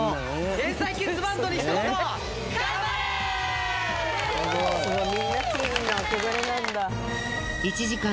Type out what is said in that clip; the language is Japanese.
天才キッズバンドにひと言！